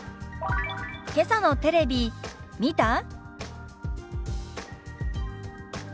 「けさのテレビ見た？」。